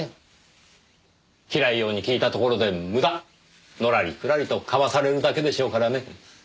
平井陽に聞いたところで無駄のらりくらりとかわされるだけでしょうからね。